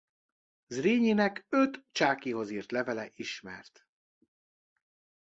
Zrínyinek öt Csákyhoz írt levele ismert.